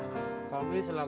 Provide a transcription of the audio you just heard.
kami selaku wakil darjah